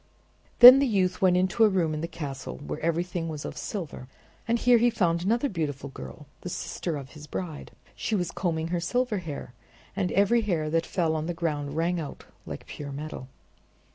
Then the youth went into a room in the castle where everything was made of silver, and here he found another beautiful girl, the sister of his bride. She was combing her silver hair, and every hair that fell on the ground rang out like pure metal.